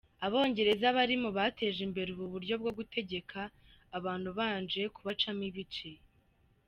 Abongereza bari mu bateje imbere ubu buryo bwo gutegeka abantu ubanje kubacamo ibice.